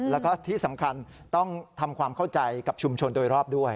แล้วก็ที่สำคัญต้องทำความเข้าใจกับชุมชนโดยรอบด้วย